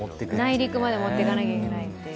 内陸まで持って行かなきゃいけないっていう。